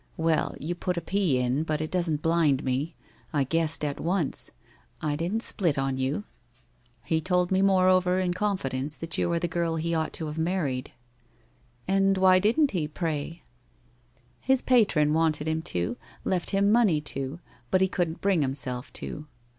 Well, you put a p in, but it doesn't blind me. I guessed at once. I didn't split on you. He told me, more over, in confidence, that you are the girl he ought to have married !'* And why didn't he, pray ?' 'His patron wanted him to, left him money to, but he couldn't bring himself to.